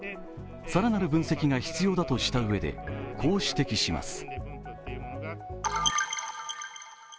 更なる分析が必要だとしたうえでこう指摘します。